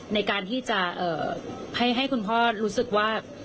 ในการที่จะให้คุณพ่อรู้สึกว่า